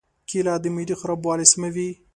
کېله د معدې خرابوالی سموي.